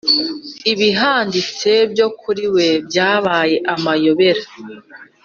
ibihanditse byo kuriwe byabaye amayobera